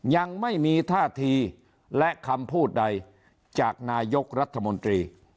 ยังไม่มีท่าทีและคำพูดใดจากนายกรัฐมนตรี